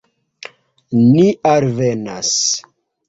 Ni alvenas.